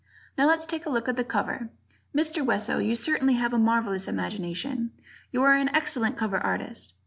Now let's take a look at the cover. Mr. Wesso, you certainly have a marvelous imagination. You are an excellent cover artist.